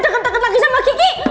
deket deket lagi sama kiki